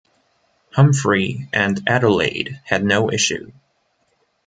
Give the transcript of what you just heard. Humphrey and Adelaide had no issue.